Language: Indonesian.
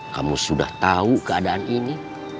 kamu sudah tahu keadaan ini